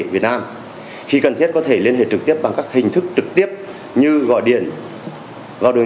việt nam khi cần thiết có thể liên hệ trực tiếp bằng các hình thức trực tiếp như gọi điện vào đời